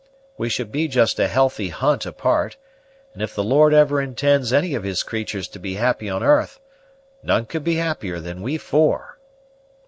We should be just a healthy hunt apart; and if the Lord ever intends any of His creaturs to be happy on 'arth, none could be happier than we four."